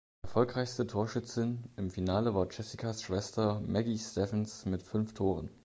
Erfolgreichste Torschützin im Finale war Jessicas Schwester Maggie Steffens mit fünf Toren.